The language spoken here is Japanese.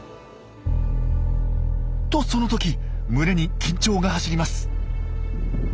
とその時群れに緊張が走ります。